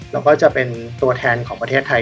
แล้วก็จะเป็นตัวแทนของประเทศไทย